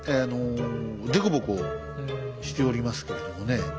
凸凹しておりますけれどもね。